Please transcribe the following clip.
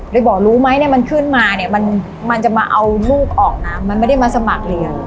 เลยบอกรู้ไหมเนี่ยมันขึ้นมาเนี่ยมันจะมาเอาลูกออกนะมันไม่ได้มาสมัครเรียน